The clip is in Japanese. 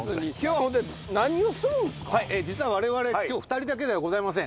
はい実は我々今日２人だけではございません。